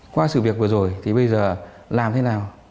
qua sự việc vừa rồi thì bây giờ làm thế nào